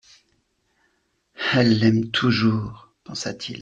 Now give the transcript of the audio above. Elle l'aime toujours ! pensa-t-il.